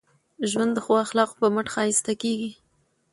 ژوند د ښو اخلاقو په مټ ښایسته کېږي.